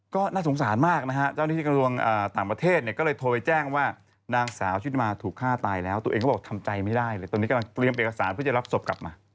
ก็น่าสงสารมากนะฮะเจ้าหน้าที่กระทรวงต่างประเทศเนี่ยก็เลยโทรไปแจ้งว่านางสาวชิดมาถูกฆ่าตายแล้วตัวเองก็บอกทำใจไม่ได้เลยตอนนี้กำลังเตรียมเอกสารเพื่อจะรับศพกลับมา